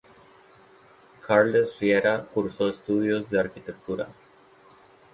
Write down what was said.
Carles Riera cursó estudios de arquitectura.